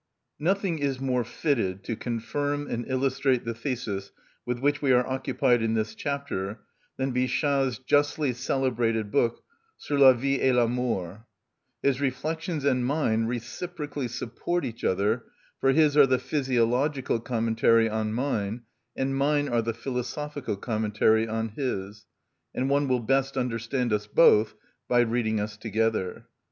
Nothing is more fitted to confirm and illustrate the thesis with which we are occupied in this chapter than Bichat's justly celebrated book, "Sur la vie et la mort." His reflections and mine reciprocally support each other, for his are the physiological commentary on mine, and mine are the philosophical commentary on his, and one will best understand us both by reading us together.